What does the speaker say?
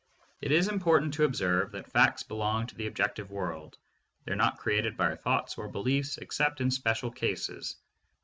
It is important to observe that facts belong to the ob jective world. They are not created by our thoughts or beliefs except in special cases.